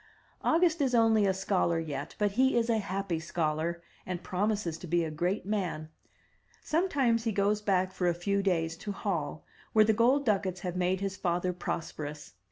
August is only a scholar yet, but he is a happy scholar, and promises to be a great man. Sometimes he goes back for a few days to Hall, where the gold ducats have made his father prosperous.